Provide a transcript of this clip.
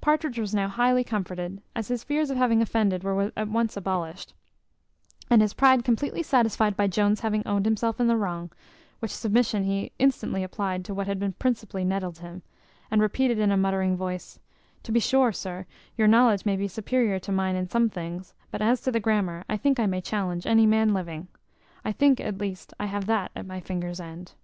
Partridge was now highly comforted, as his fears of having offended were at once abolished, and his pride completely satisfied by Jones having owned himself in the wrong, which submission he instantly applied to what had principally nettled him, and repeated in a muttering voice, "To be sure, sir, your knowledge may be superior to mine in some things; but as to the grammar, I think I may challenge any man living. I think, at least, I have that at my finger's end."